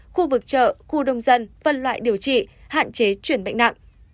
khu vực chợ khu đông dân phân loại điều trị hạn chế chuyển bệnh nặng